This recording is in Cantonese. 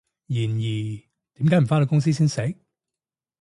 然而，點解唔返到公司先食？